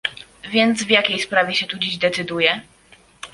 Więc w jakiej sprawie się tu dziś decyduje?